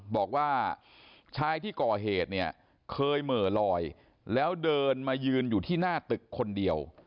บอกว่าชายที่ก่อเหตุเนี่ยเคยเหม่อลอยแล้วเดินมายืนอยู่ที่หน้าตึกคนเดียว